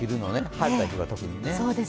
晴れた日は特にね。